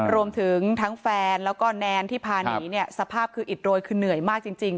รวมถึงทั้งแฟนแล้วก็แนนที่พาหนีเนี่ยสภาพคืออิดโรยคือเหนื่อยมากจริง